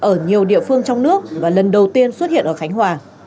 ở nhiều địa phương trong nước và lần đầu tiên xuất hiện ở khánh hòa